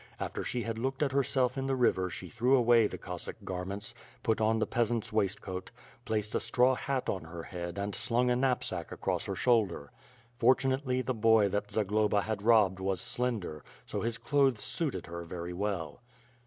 After she had looked at herself in the river she threw away the Cossack garments, put on the pea sant's waistcoat, placed a straw hat on her 'head and slung a knapsack across her shoulder. Fortunately the boy that Za globa had robbed was slender, so his clothes suited her very well.